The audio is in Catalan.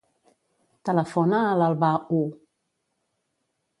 Telefona a l'Albà Hu.